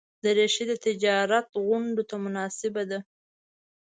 دریشي د تجارت غونډو ته مناسبه ده.